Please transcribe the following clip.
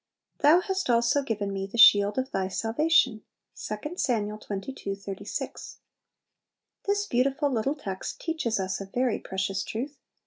"Thou hast also given me the shield of Thy salvation." 2 Sam. xxii. 36. This beautiful little text teaches us a very precious truth.